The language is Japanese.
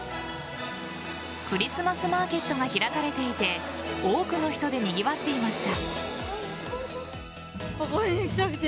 クリスマスマーケットが開かれていて多くの人でにぎわっていました。